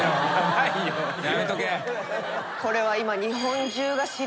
これは今。